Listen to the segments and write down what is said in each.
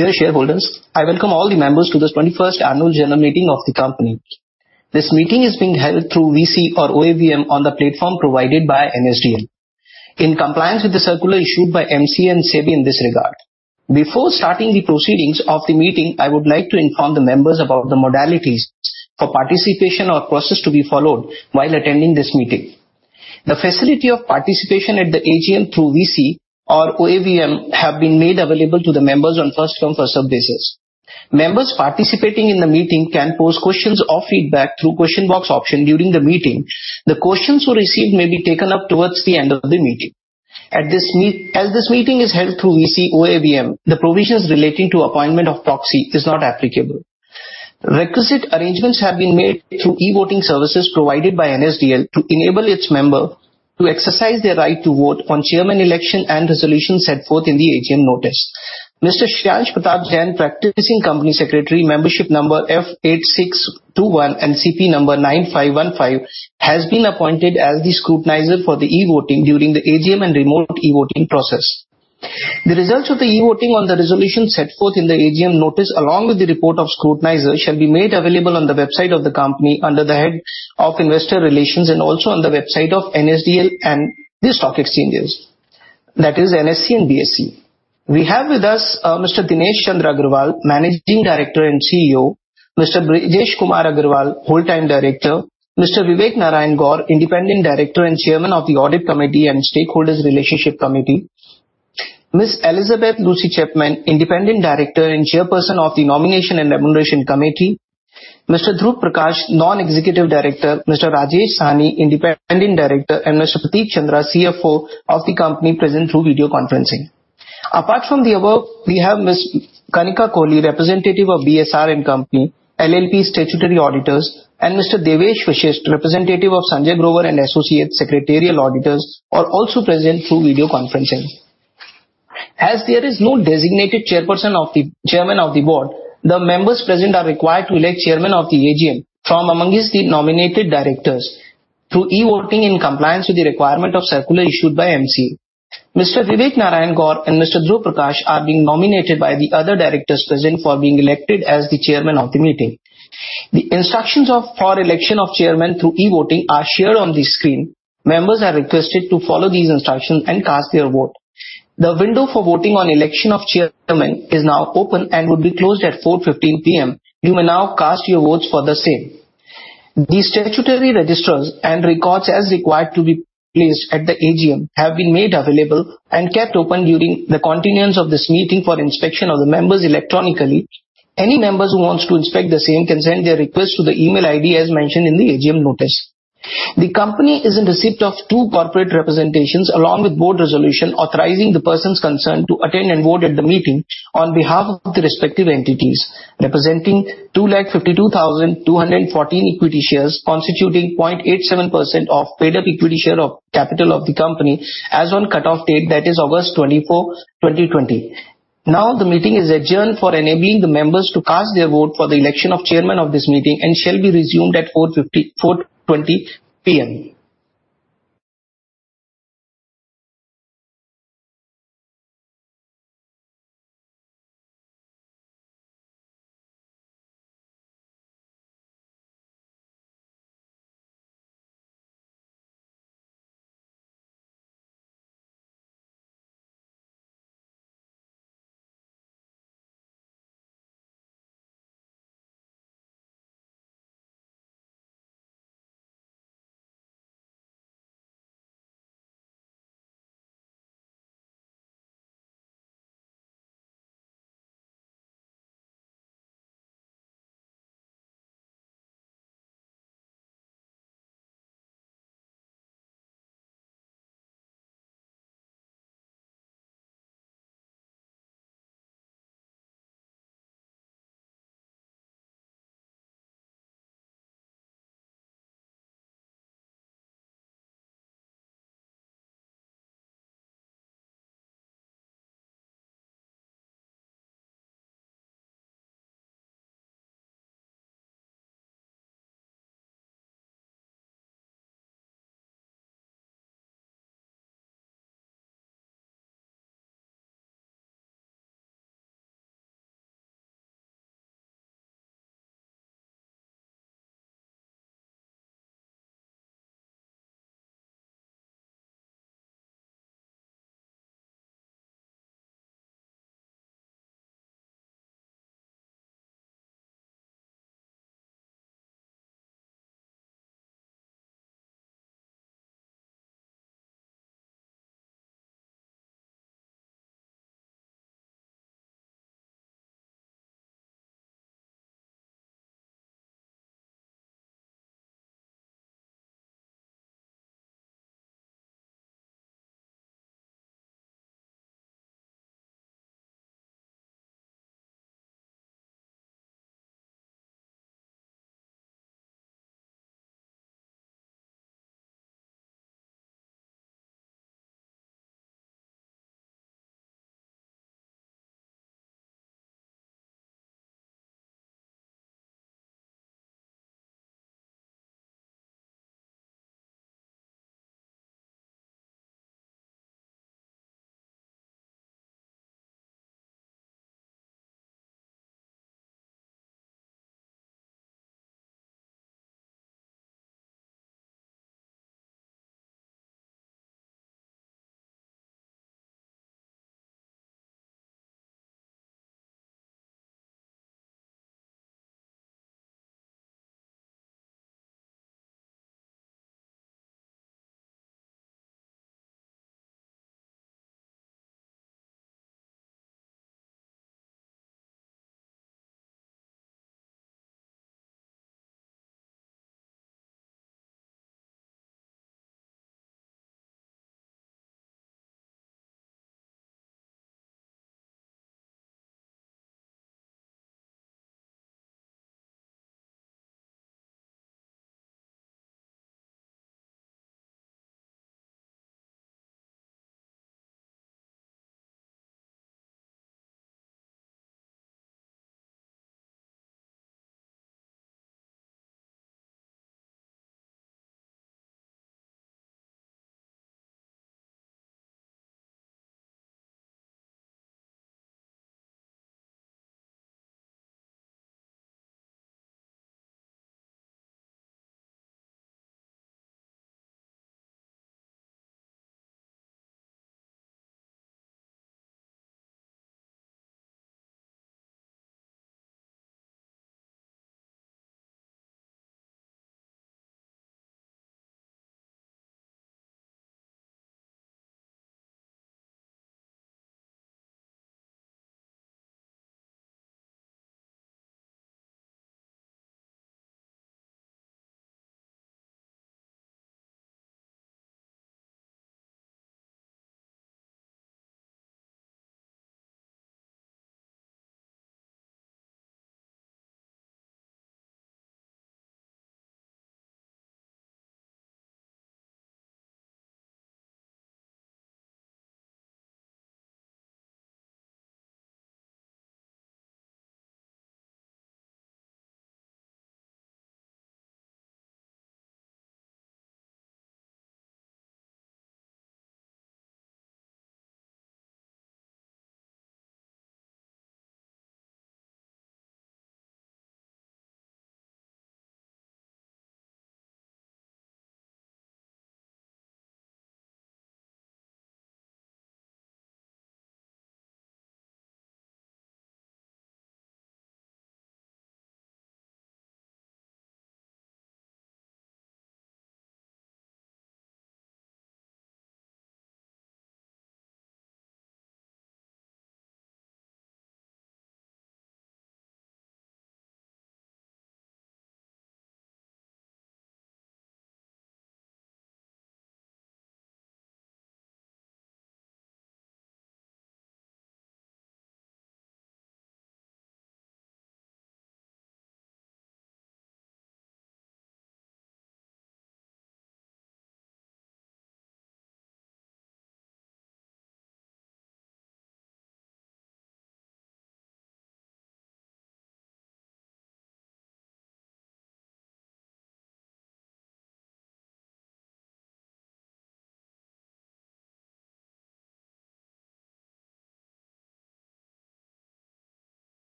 Dear shareholders, I welcome all the members to the 21st annual general meeting of the company. This meeting is being held through VC or OAVM on the platform provided by NSDL. In compliance with the circular issued by MCA and SEBI in this regard. Before starting the proceedings of the meeting, I would like to inform the members about the modalities for participation or process to be followed while attending this meeting. The facility of participation at the AGM through VC or OAVM have been made available to the members on first come, first served basis. Members participating in the meeting can pose questions or feedback through question box option during the meeting. The questions we receive may be taken up towards the end of the meeting. As this meeting is held through VC OAVM, the provisions relating to appointment of proxy is not applicable. Requisite arrangements have been made through e-voting services provided by NSDL to enable its member to exercise their right to vote on chairman election and resolutions set forth in the AGM notice. Mr. Shreyansh Pratap Jain, practicing company secretary, membership number F8621 and CP number 9515 has been appointed as the scrutinizer for the e-voting during the AGM and remote e-voting process. The results of the e-voting on the resolution set forth in the AGM notice, along with the report of scrutinizer, shall be made available on the website of the company under the head of investor relations, and also on the website of NSDL and the stock exchanges. That is NSE and BSE. We have with us Mr. Dinesh Chandra Agarwal, Managing Director and CEO, Mr. Brijesh Kumar Agrawal, Whole-time Director, Mr. Vivek Narayan Gour, Independent Director and Chairman of the Audit Committee and Stakeholders Relationship Committee, Ms. Elizabeth Lucy Chapman, Independent Director and Chairperson of the Nomination and Remuneration Committee, Mr. Dhruv Prakash, Non-Executive Director, Mr. Rajesh Sawhney, Independent Director, and Mr. Prateek Chandra, CFO of the company present through video conferencing. Apart from the above, we have Ms. Kanika Kohli, representative of BSR & Co. LLP statutory auditors, and Mr. Devesh Vashishtha, representative of Sanjay Grover and Associates secretarial auditors are also present through video conferencing. As there is no designated Chairman of the Board, the members present are required to elect Chairman of the AGM from amongst the nominated directors through e-voting in compliance with the requirement of circular issued by MCA. Mr. Vivek Narayan Gour and Mr. Dhruv Prakash are being nominated by the other directors present for being elected as the chairman of the meeting. The instructions for election of chairman through e-voting are shared on the screen. Members are requested to follow these instructions and cast their vote. The window for voting on election of chairman is now open and will be closed at 4:15 P.M. You may now cast your votes for the same. The statutory registers and records as required to be placed at the AGM have been made available and kept open during the continuance of this meeting for inspection of the members electronically. Any members who wants to inspect the same can send their request to the email ID as mentioned in the AGM notice. The company is in receipt of two corporate representations, along with board resolution authorizing the persons concerned to attend and vote at the meeting on behalf of the respective entities, representing 2,52,214 equity shares constituting 0.87% of paid-up equity share of capital of the company as on cut-off date that is August 24, 2020. The meeting is adjourned for enabling the members to cast their vote for the election of chairman of this meeting and shall be resumed at 4:20 P.M.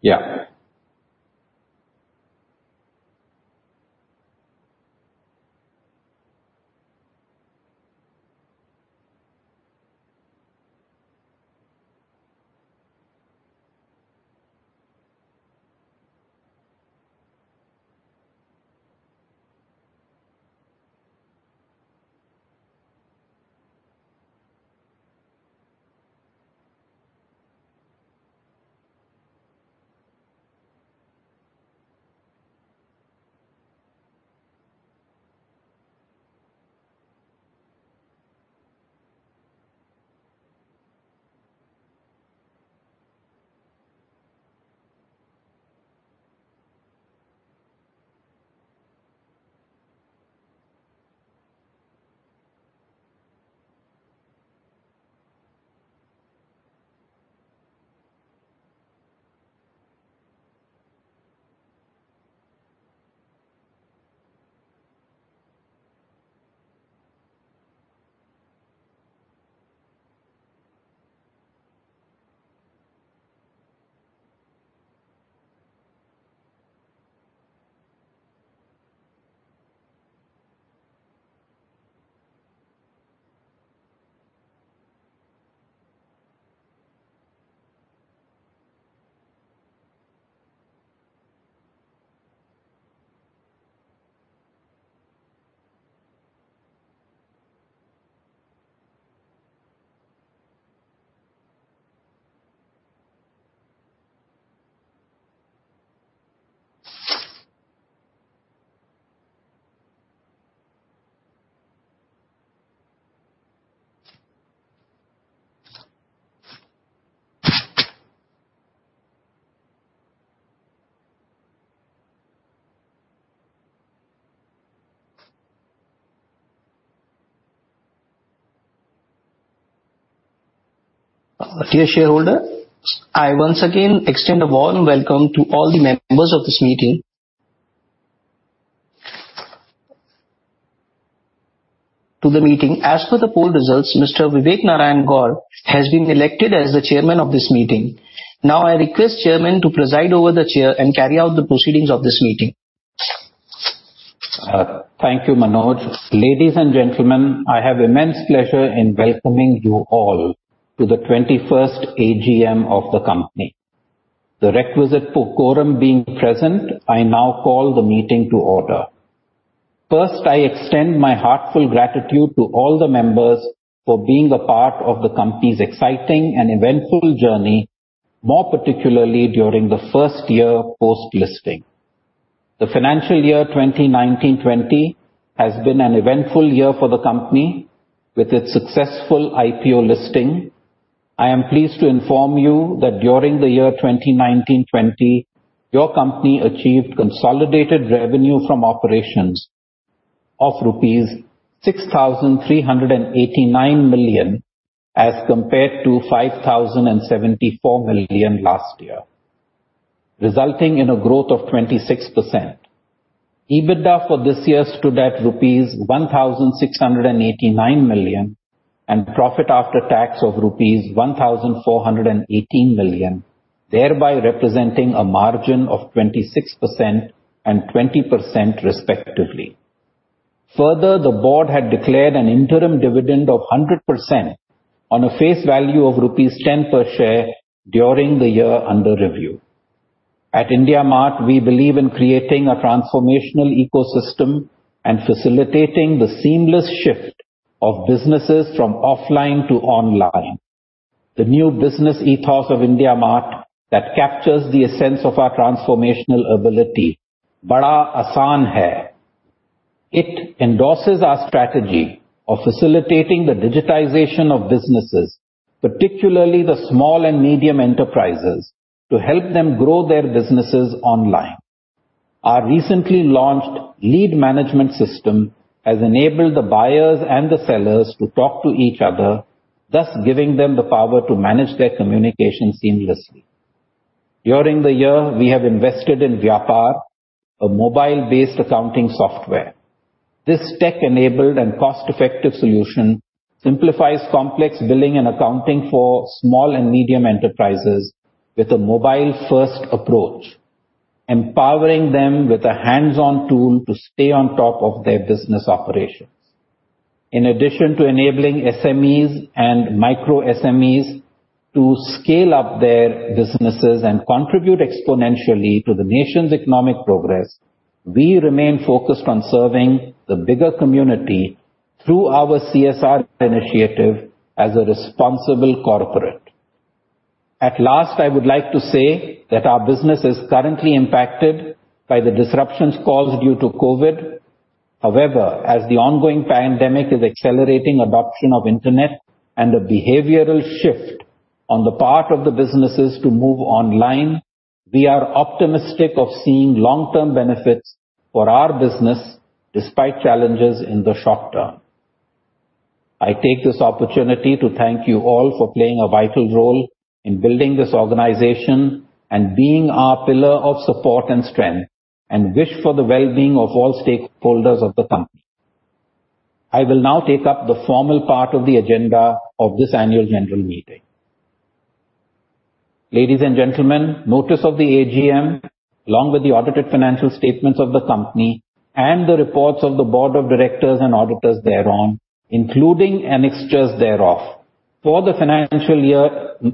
Yeah Dear shareholder, I once again extend a warm welcome to all the members of this meeting. As per the poll results, Mr. Vivek Narayan Gour has been elected as the Chairman of this meeting. Now I request Chairman to preside over the chair and carry out the proceedings of this meeting. Thank you, Manoj. Ladies and gentlemen, I have immense pleasure in welcoming you all to the 21st AGM of the company. The requisite for quorum being present, I now call the meeting to order. First, I extend my heartfelt gratitude to all the members for being a part of the company's exciting and eventful journey, more particularly during the first year post-listing. The financial year 2019-20 has been an eventful year for the company with its successful IPO listing. I am pleased to inform you that during the year 2019-20, your company achieved consolidated revenue from operations of rupees 6,389 million as compared to 5,074 million last year, resulting in a growth of 26%. EBITDA for this year stood at rupees 1,689 million and profit after tax of rupees 1,418 million, thereby representing a margin of 26% and 20% respectively. Further, the board had declared an interim dividend of 100% on a face value of rupees 10 per share during the year under review. At IndiaMART, we believe in creating a transformational ecosystem and facilitating the seamless shift of businesses from offline to online. The new business ethos of IndiaMART that captures the essence of our transformational ability, "Bada Aasan Hai." It endorses our strategy of facilitating the digitization of businesses, particularly the small and medium enterprises, to help them grow their businesses online. Our recently launched lead management system has enabled the buyers and the sellers to talk to each other, thus giving them the power to manage their communication seamlessly. During the year, we have invested in Vyapar, a mobile-based accounting software. This tech-enabled and cost-effective solution simplifies complex billing and accounting for small and medium enterprises with a mobile-first approach, empowering them with a hands-on tool to stay on top of their business operations. In addition to enabling SMEs and micro SMEs to scale up their businesses and contribute exponentially to the nation's economic progress, we remain focused on serving the bigger community through our CSR initiative as a responsible corporate. At last, I would like to say that our business is currently impacted by the disruptions caused due to COVID. However, as the ongoing pandemic is accelerating adoption of internet and the behavioral shift on the part of the businesses to move online, we are optimistic of seeing long-term benefits for our business despite challenges in the short term. I take this opportunity to thank you all for playing a vital role in building this organization and being our pillar of support and strength, and wish for the wellbeing of all stakeholders of the company. I will now take up the formal part of the agenda of this annual general meeting. Ladies and gentlemen, notice of the AGM, along with the audited financial statements of the company and the reports of the board of directors and auditors thereon, including annexures thereof, for the financial year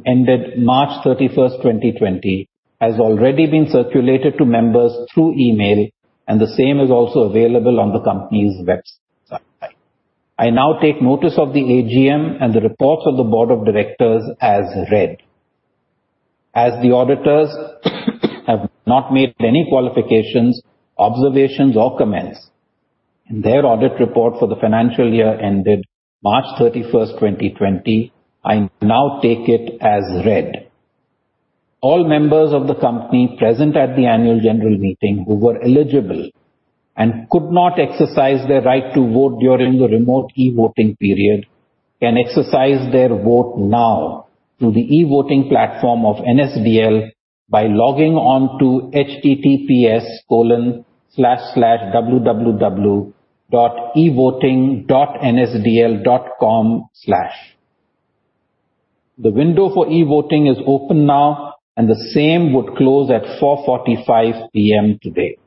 ended March 31st, 2020, has already been circulated to members through email, and the same is also available on the company's website. I now take notice of the AGM and the reports of the board of directors as read. As the auditors have not made any qualifications, observations, or comments in their audit report for the financial year ended March 31st, 2020, I now take it as read. All members of the company present at the annual general meeting who were eligible and could not exercise their right to vote during the remote e-voting period can exercise their vote now through the e-voting platform of NSDL by logging on to https://www.evoting.nsdl.com/. The window for e-voting is open now and the same would close at 4:45 P.M. today.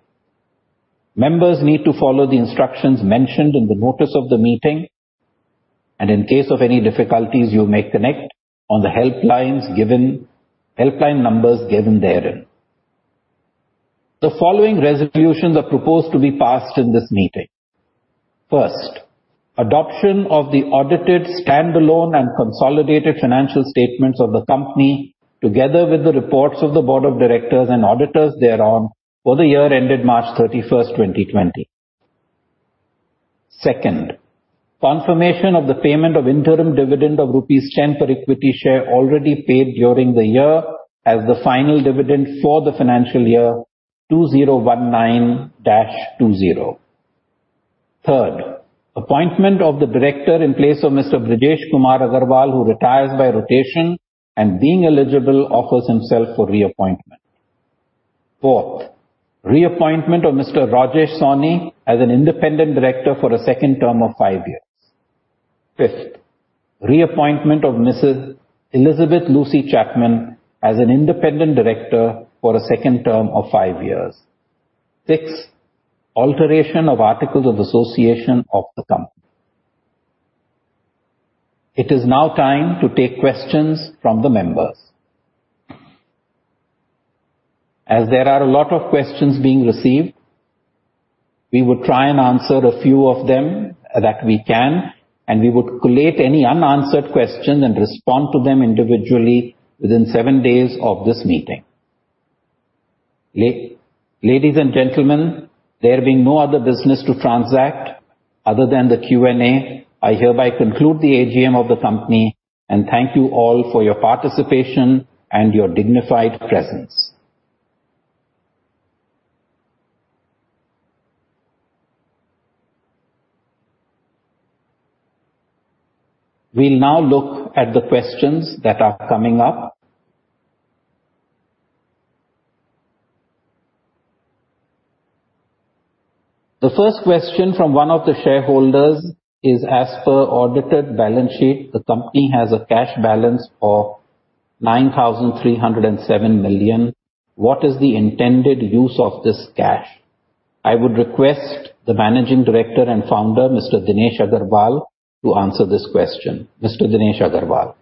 Members need to follow the instructions mentioned in the notice of the meeting, and in case of any difficulties, you may connect on the helpline numbers given therein. The following resolutions are proposed to be passed in this meeting. Adoption of the audited standalone and consolidated financial statements of the company, together with the reports of the board of directors and auditors thereon for the year ended March 31st, 2020. Confirmation of the payment of interim dividend of rupees 10 per equity share already paid during the year as the final dividend for the financial year 2019-20. Appointment of the director in place of Mr. Brijesh Kumar Agrawal, who retires by rotation, and being eligible, offers himself for reappointment. Reappointment of Mr. Rajesh Sawhney as an independent director for a second term of five years. Reappointment of Mrs. Elizabeth Lucy Chapman as an independent director for a second term of five years. Six, alteration of articles of association of the company. It is now time to take questions from the members. There are a lot of questions being received, we will try and answer a few of them that we can, and we would collate any unanswered question and respond to them individually within seven days of this meeting. Ladies and gentlemen, there being no other business to transact other than the Q&A, I hereby conclude the AGM of the company. Thank you all for your participation and your dignified presence. We'll now look at the questions that are coming up. The first question from one of the shareholders is: As per audited balance sheet, the company has a cash balance of 9,307 million. What is the intended use of this cash? I would request the Managing Director and founder, Mr. Dinesh Agarwal, to answer this question. Mr. Dinesh Agarwal.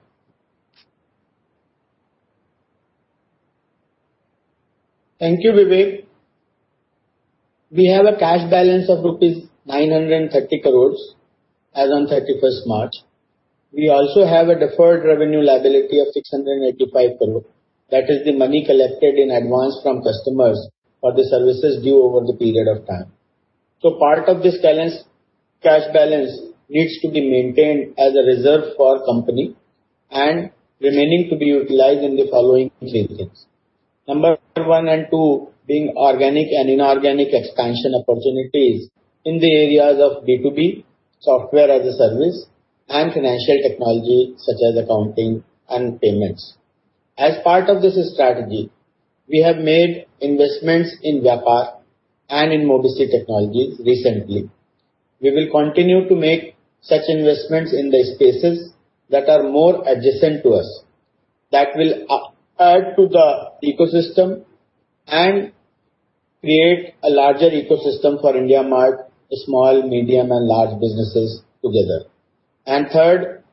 Thank you, Vivek. We have a cash balance of rupees 930 crore as on 31st March, we also have a deferred revenue liability of 685 crore. That is the money collected in advance from customers for the services due over the period of time. Part of this cash balance needs to be maintained as a reserve for company and remaining to be utilized in the following three things. Number one and two being organic and inorganic expansion opportunities in the areas of B2B, Software as a Service, and financial technology such as accounting and payments. As part of this strategy, we have made investments in Vyapar and in Mobisy Technologies recently. We will continue to make such investments in the spaces that are more adjacent to us, that will add to the ecosystem and create a larger ecosystem for IndiaMART, small, medium, and large businesses together. Third,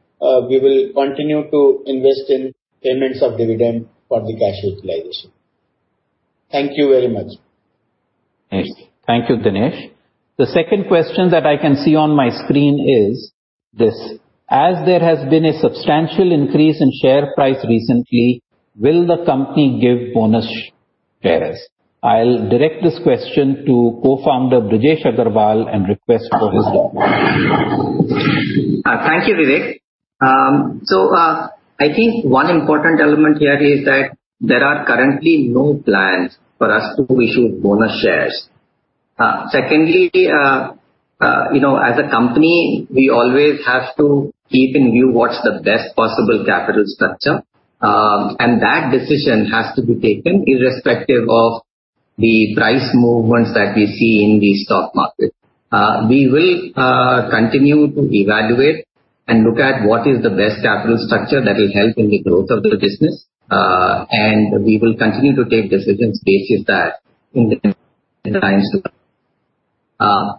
we will continue to invest in payments of dividend for the cash utilization. Thank you very much. Nice. Thank you, Dinesh. The second question that I can see on my screen is this: As there has been a substantial increase in share price recently, will the company give bonus shares? I'll direct this question to co-founder Brijesh Agrawal and request for his response. Thank you, Vivek. I think one important element here is that there are currently no plans for us to issue bonus shares. Secondly, as a company, we always have to keep in view what's the best possible capital structure, and that decision has to be taken irrespective of the price movements that we see in the stock market. We will continue to evaluate and look at what is the best capital structure that will help in the growth of the business. We will continue to take decisions based with that in the times to come.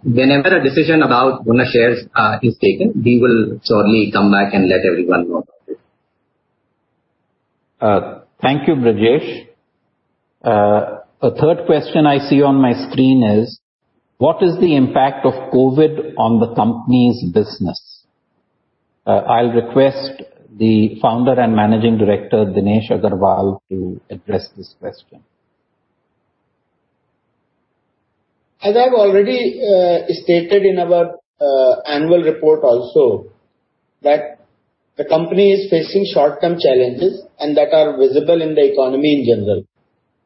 Whenever a decision about bonus shares is taken, we will surely come back and let everyone know about it. Thank you, Brijesh. A third question I see on my screen is: What is the impact of COVID on the company's business? I'll request the founder and Managing Director, Dinesh Agarwal, to address this question. As I've already stated in our annual report also, that the company is facing short-term challenges and that are visible in the economy in general,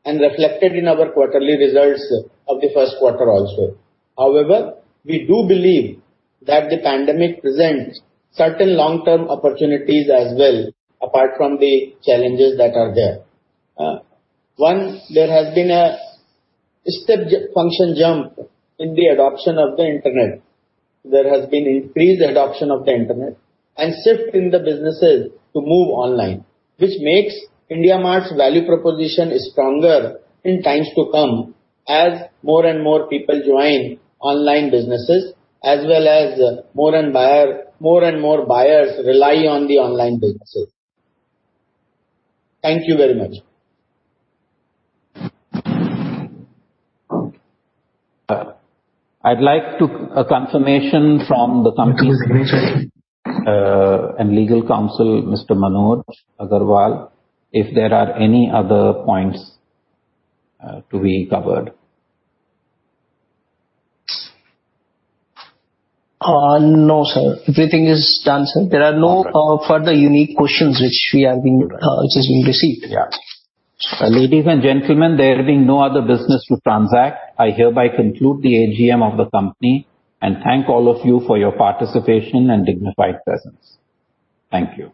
and reflected in our quarterly results of the first quarter also. However, we do believe that the pandemic presents certain long-term opportunities as well, apart from the challenges that are there. One, there has been a step function jump in the adoption of the internet. There has been increased adoption of the internet and shift in the businesses to move online, which makes IndiaMART's value proposition stronger in times to come as more and more people join online businesses, as well as more and more buyers rely on the online businesses. Thank you very much. I'd like a confirmation from the Company Secretary and Legal Counsel, Mr Manoj Bhargava, if there are any other points to be covered. No, sir. Everything is done, sir. There are no further unique questions which we have received. Ladies and gentlemen, there being no other business to transact, I hereby conclude the AGM of the company and thank all of you for your participation and dignified presence. Thank you.